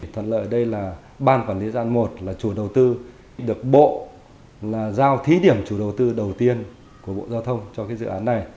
thuận lợi ở đây là ban quản lý giai đoạn một là chủ đầu tư được bộ là giao thí điểm chủ đầu tư đầu tiên của bộ giao thông cho dự án này